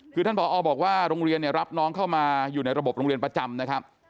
คือท่านผอบอกว่าโรงเรียนเนี่ยรับน้องเข้ามาอยู่ในระบบโรงเรียนประจำนะครับ